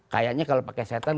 kayaknya kalau pakai setan